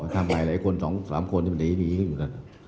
ทำไมล่ะไอ้คนสองสามคนที่มันเดี๋ยวนี้กันอยู่กัน